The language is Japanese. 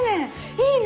いいね！